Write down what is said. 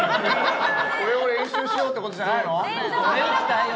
それを練習しようって事じゃないの？